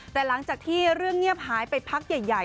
แต่หลังจากที่เรื่องเงียบหายไปพักใหญ่